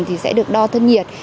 thì sẽ được đo thân nhiệt